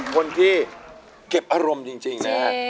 น้องชะเอ็มเป็นคนที่เก็บอารมณ์จริงนะครับ